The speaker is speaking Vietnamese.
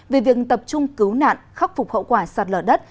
về việc tập trung cứu nạn khắc phục hậu quả sạt lở đất